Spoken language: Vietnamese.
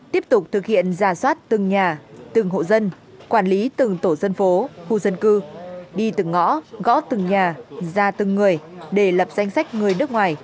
tiếp tục thực hiện giả soát từng nhà từng hộ dân quản lý từng tổ dân phố khu dân cư đi từng ngõ gõ từng nhà ra từng người để lập danh sách người nước ngoài